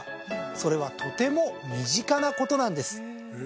それはとても身近なことなんです。